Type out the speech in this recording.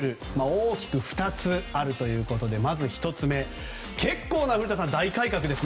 大きく２つあるということでまず１つ目、結構な大改革です。